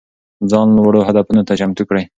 ځان لوړو هدفونو ته چمتو کړه.